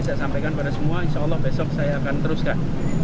saya sampaikan pada semua insya allah besok saya akan teruskan